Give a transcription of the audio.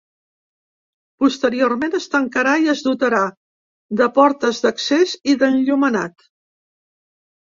Posteriorment es tancarà i es dotarà de portes d’accés i d’enllumenat.